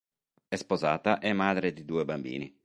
È sposata e madre di due bambini.